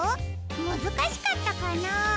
むずかしかったかな？